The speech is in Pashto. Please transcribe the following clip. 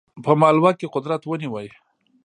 په مالوه کې قدرت ونیوی.